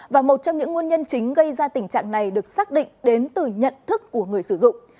và một trong những nguồn nhân chính gây ra tình trạng này được xác định đến từ nhận thức của người sử dụng